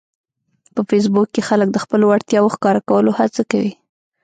په فېسبوک کې خلک د خپلو وړتیاوو ښکاره کولو هڅه کوي